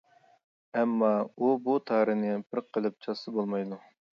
ئەمما، ئۇ بۇ تارىنى بىر قىلىپ چاتسا بولمايدۇ.